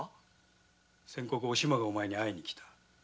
先刻おしまがお前に会いに来た。